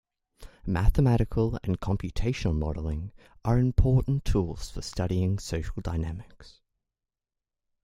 Mathematical and computational modeling are important tools for studying social dynamics.